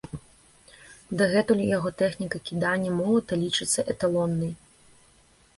Дагэтуль яго тэхніка кідання молата лічыцца эталоннай.